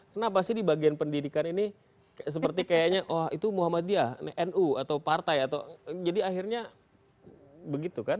kenapa sih di bagian pendidikan ini seperti kayaknya oh itu muhammadiyah nu atau partai atau jadi akhirnya begitu kan